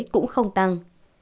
cũng không tăng